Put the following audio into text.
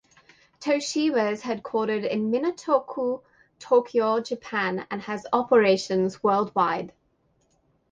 Toshiba is headquartered in Minato-ku, Tokyo, Japan and has operations worldwide.